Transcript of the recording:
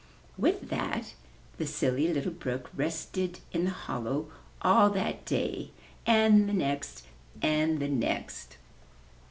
With that the Silly Little Brook rested in the hol low all that day, and the next and the next.